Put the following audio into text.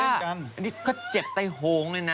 อันนี้ก็เจ็บใต้โหงเลยนะ